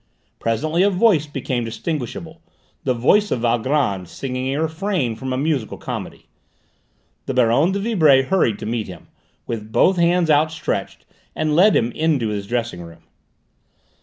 Presently a voice became distinguishable, the voice of Valgrand singing a refrain from a musical comedy. The Baronne de Vibray hurried to meet him, with both hands outstretched, and led him into his dressing room.